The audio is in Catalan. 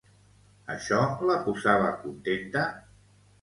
Això la posava contenta?